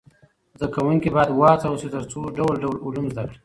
زده کوونکي باید و هڅول سي تر څو ډول ډول علوم زده کړي.